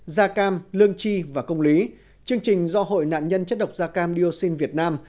gia cam lương tri và công lý chương trình do hội nạn nhân chất độc gia cam điêu sinh việt nam